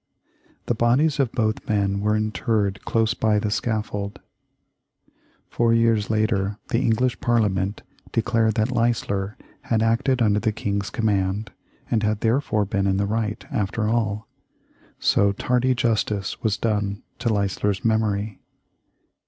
The bodies of both men were interred close by the scaffold. Four years later the English Parliament declared that Leisler had acted under the King's command, and had therefore been in the right, after all. So tardy justice was done to Leisler's memory.